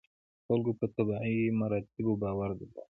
خلکو په طبیعي مراتبو باور درلود.